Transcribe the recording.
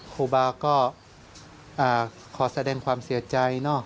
ครูบาก็ขอแสดงความเสียใจ